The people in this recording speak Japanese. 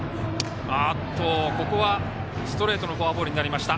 ここはストレートのフォアボールになりました。